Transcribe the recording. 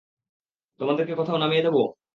তোমাদেরকে কোথাও নামিয়ে দেব?